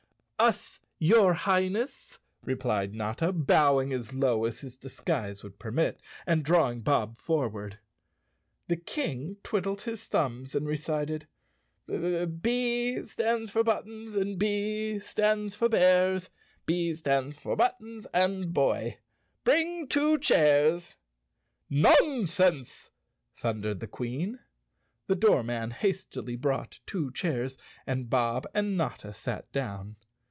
"Us, your Highness!" replied Notta, bowing as low as his disguise would permit, and drawing Bob for¬ ward. The King twiddled his thumbs and recited: Chapter Six " B stands for buttons And B stands for bears, B stands for buttons and boy— Bring two chairs! " "Nonsense!" thundered the Queen. The doormen hastily brought two chairs and Bob and Notta sat down.